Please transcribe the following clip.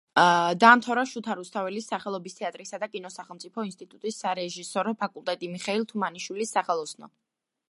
დაამთავრა შოთა რუსთაველის სახელობის თეატრისა და კინოს სახელმწიფო ინსტიტუტის სარეჟისორო ფაკულტეტი, მიხეილ თუმანიშვილის სახელოსნო.